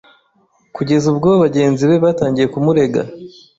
kugeza ubwo bagenzi be batangiye kumurega